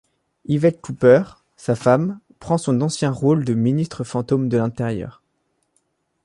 Yvette Cooper, sa femme, prend son ancien rôle de ministre fantôme de l'Intérieur.